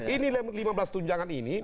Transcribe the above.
ini lima belas tunjangan ini